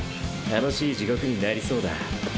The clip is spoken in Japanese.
楽しい地獄になりそうだ。